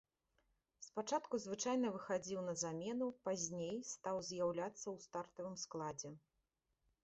Спачатку звычайна выхадзіў на замену, пазней стаў з'яўляцца ў стартавым складзе.